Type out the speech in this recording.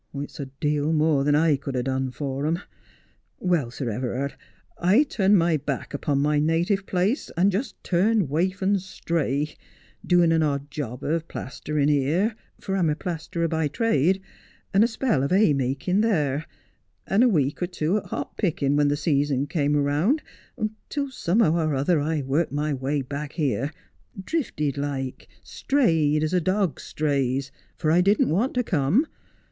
It's a deal more than I could ha' done for 'em. Well, Sir Everard, I turned my back upon my native place, and just turned waif and stray, doing an odd job of plastering here — for I'm a plasterer by trade — and a spell of haymakin' there, and a week or two at hop pickin', when the season came round, till somehow or other I worked my way back here, drifted like, strayed as a dog strays, for I didn't want to come.